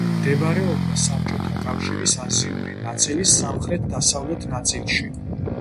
მდებარეობდა საბჭოთა კავშირის აზიური ნაწილის სამხრეთ-დასავლეთ ნაწილში.